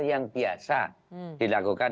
yang biasa dilakukan